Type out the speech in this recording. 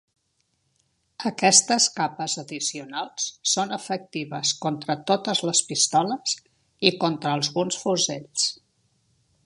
Aquestes capes addicionals són efectives contra totes les pistoles i contra alguns fusells.